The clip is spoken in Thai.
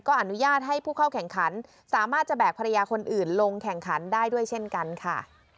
อนุญาตให้ผู้เข้าแข่งขันสามารถจะแบกภรรยาคนอื่นลงแข่งขันได้ด้วยเช่นกันค่ะ